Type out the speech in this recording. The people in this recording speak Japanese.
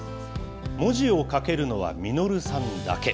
文字を書けるのは稔さんだけ。